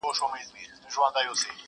مندوشاه چي هم هوښیار هم پهلوان وو٫